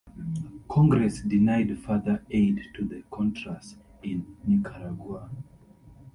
Congress denied further aid to the Contras in Nicaragua.